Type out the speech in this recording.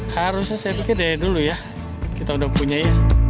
harusnya saya pikir dari dulu ya kita udah punya ya